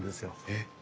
えっ。